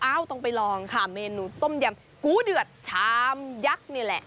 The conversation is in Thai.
ต้องไปลองค่ะเมนูต้มยำกูเดือดชามยักษ์นี่แหละ